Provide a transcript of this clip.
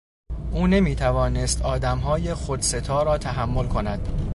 او نمیتوانست آدمهای خودستا را تحمل کند.